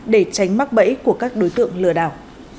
để tránh mắc bẫy của các đối tượng lừa đảo